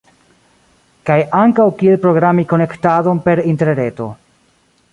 Kaj ankaŭ kiel programi konektadon per interreto